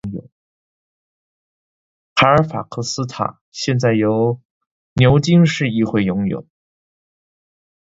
卡尔法克斯塔现在由牛津市议会拥有。